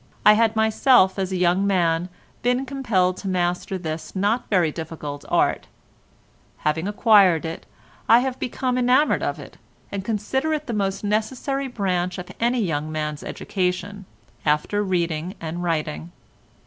I had myself as a young man been compelled to master this not very difficult art; having acquired it, I have become enamoured of it, and consider it the most necessary branch of any young man's education after reading and writing.